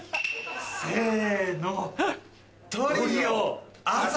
せの。